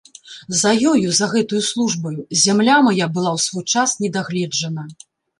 За ёю, за гэтаю службаю, зямля мая была ў свой час не дагледжана.